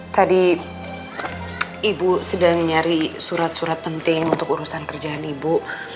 tadi ibu sedang nyari surat surat penting untuk urusan kerjaan ibu